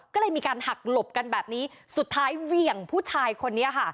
ก็เลยมีการหักหลบกันแบบนี้สุดท้ายเหวี่ยงผู้ชายคนนี้ค่ะ